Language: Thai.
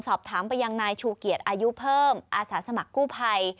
สอบถามไปยังนายชูเกียจอายุเพิ่มอาสาสมัครกู้ภัย